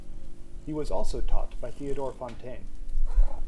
He was also taught by Theodor Fontane.